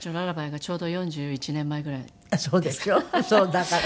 だから。